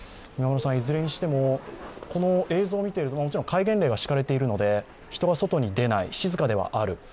いずれにしても、この映像を見て、もちろん戒厳令が敷かれているので人が外に出ない、静かではある。